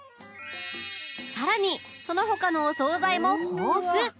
更にその他のお総菜も豊富